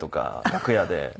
楽屋で？